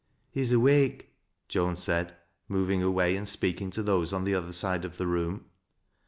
" He's awake," Joan said, moving away and speaking to those on the other side of the room.